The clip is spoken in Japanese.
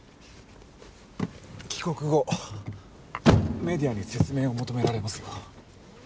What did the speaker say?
帰国後メディアに説明を求められますよ。